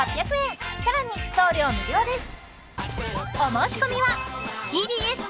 更に送料無料です